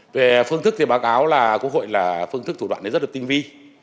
về phương thức thì báo cáo là quốc hội là phương thức thủ đoạn này rất là tinh vi